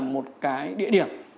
một cái địa điểm